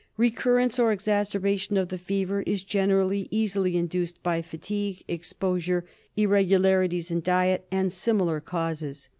Recurrence or exacerba tion of the fever is generally easily induced by fatigue, exposure, irregularities in diet, and similar causes.